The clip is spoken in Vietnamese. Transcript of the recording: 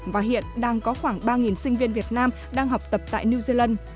và hiện đang có khoảng ba sinh viên việt nam đang học tập tại new zealand